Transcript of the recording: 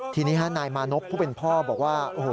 ทีนี้นายมาโน้ตผู้เป็นพ่อบอกว่า